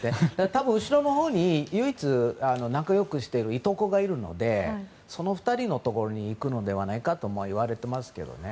多分後ろのほうに唯一仲良くしているいとこがいるのでその２人のところに行くのではないかともいわれてますけどね。